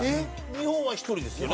日本は１人ですよね？